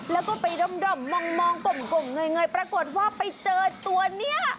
แล้วก็ไปด้อมมองกลมเงยปรากฏว่าไปเจอตัวนี้